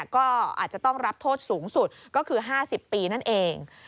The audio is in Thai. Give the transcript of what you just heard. ก็อาจจะต้องรับโทษสูงสุดก็คือ๕๐ปีนั่นเอง